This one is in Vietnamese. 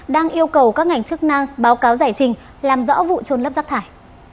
đang yêu cầu các ngành chức năng báo cáo giải trình làm rõ vụ trôn lấp rác thải